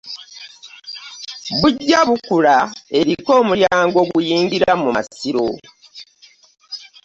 Bujjabukula, eriko omulyango oguyingira mu masiro